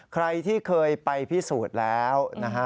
ใครที่เคยไปพิสูจน์แล้วนะฮะ